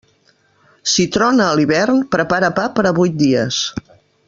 Si trona a l'hivern, prepara pa per a vuit dies.